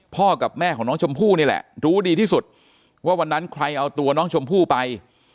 กับแม่ของน้องชมพู่นี่แหละรู้ดีที่สุดว่าวันนั้นใครเอาตัวน้องชมพู่ไป